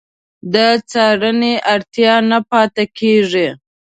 د څارنې اړتیا نه پاتې کېږي.